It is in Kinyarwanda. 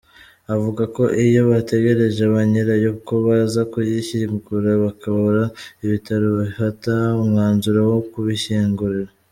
Avuga ko iyo bategereje banyirayo ko baza kuyishyingura bakababura ibitaro bifata umwanzuro wo kubishyingurira.